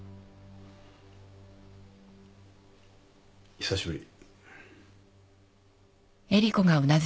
久しぶり。